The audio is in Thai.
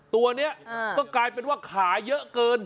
ตัวนี้ก็กลายเป็นว่าขาเยอะเกิน